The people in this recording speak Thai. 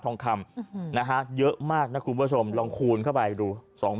ทองคำนะฮะเยอะมากนะคุณผู้ชมลองคูณเข้าไปดู